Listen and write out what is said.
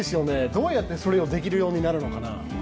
どうやって、それができるようになるのかな。